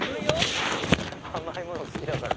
甘いもの好きだから。